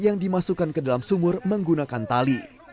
yang dimasukkan ke dalam sumur menggunakan tali